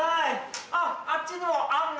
あっあっちにもあんが。